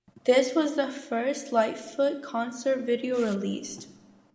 This was the first Lightfoot concert video released.